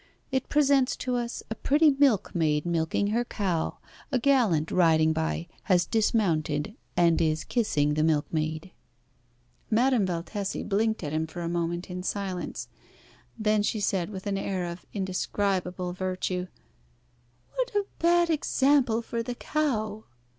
It presents to us a pretty milkmaid milking her cow. A gallant, riding by, has dismounted, and is kissing the milkmaid." Madame Valtesi blinked at him for a moment in silence. Then she said with an air of indescribable virtue "What a bad example for the cow!"